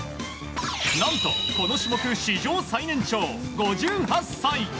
何と、この種目史上最年長５８歳。